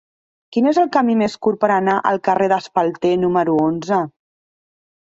Quin és el camí més curt per anar al carrer d'Espalter número onze?